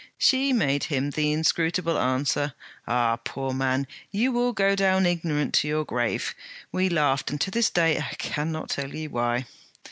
She made him the inscrutable answer: "Ah, poor man! you will go down ignorant to your grave!" We laughed, and to this day I cannot tell you why.'